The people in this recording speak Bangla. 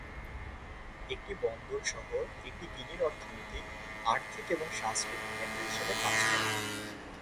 একটি বন্দর শহর, এটি গিনির অর্থনৈতিক, আর্থিক এবং সাংস্কৃতিক কেন্দ্র হিসাবে কাজ করে।